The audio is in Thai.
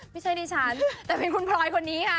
ไม่ใช่ดิฉันแต่เป็นคุณพลอยคนนี้ค่ะ